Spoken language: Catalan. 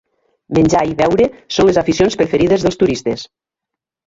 Menjar i beure són les aficions preferides dels turistes.